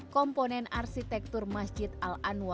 komponen arsitekturnya juga memadukan beragam kebudayaan